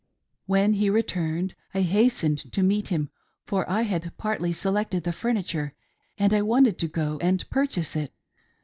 When he returned, I hastened to meet him, for I had partly selected the furniture and I wanted to go and purchase it.